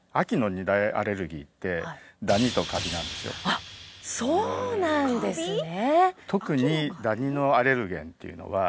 あっそうなんですねええ！